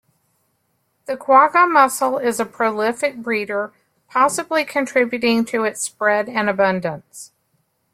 The quagga mussel is a prolific breeder, possibly contributing to its spread and abundance.